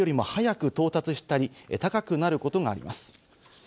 ただこれよりも早く到達したり高くなることがあります。